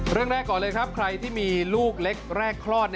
เรื่องแรกก่อนเลยครับใครที่มีลูกเล็กแรกคลอด